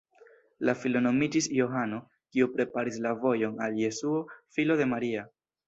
La filo nomiĝis Johano, kiu "preparis la vojon" al Jesuo, filo de Maria.